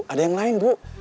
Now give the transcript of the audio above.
ada yang lain bu